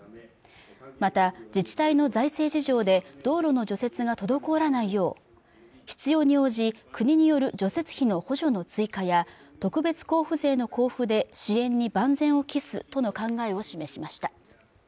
また自治体の財政事情で道路の除雪が滞らないよう必要に応じ国による除雪費の補助の追加や特別交付税の交付で支援に万全を期すとの考えを示しました